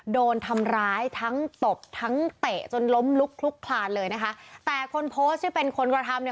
โดนทำร้ายทั้งตบทั้งเตะจนล้มลุกคลุกคลานเลยนะคะแต่คนโพสต์ที่เป็นคนกระทำเนี่ย